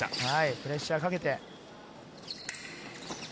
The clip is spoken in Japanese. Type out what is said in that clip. プレッシャーをかけて。